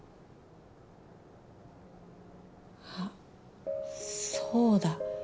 あっそうだ。